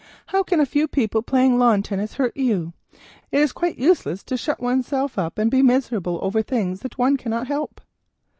"How can a few people playing lawn tennis hurt you? It is quite useless to shut oneself up and be miserable over things that one cannot help."